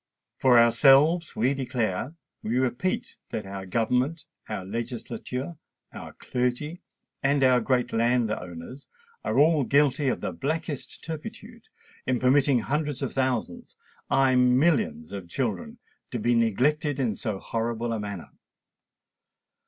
For ourselves, we declare—we repeat that our Government, our Legislature, our Clergy, and our Great Landowners are all guilty of the blackest turpitude in permitting hundreds of thousands—aye, millions of children to be neglected in so horrible a manner.